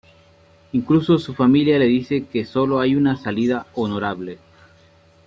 Incluso su familia le dice que sólo hay una salida honorable.